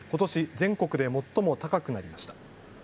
全国で最も高くなりました。